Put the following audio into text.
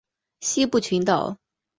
西部群岛。